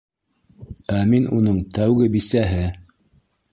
Ә мин уның тәүге бисәһе!